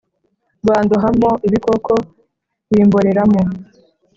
bandohamo ibikoko bimboreramo